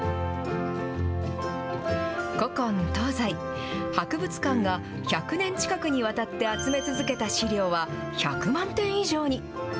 古今東西、博物館が１００年近くにわたって集め続けた資料は、１００万点以上に。